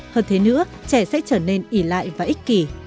hơn thế nữa trẻ sẽ trở nên ỉ lại và ích kỷ